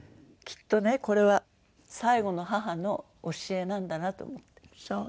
きっとねこれは最後の母の教えなんだなと思って。